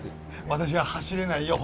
私は走れないよ